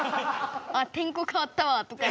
「あ天候かわったわ」とか。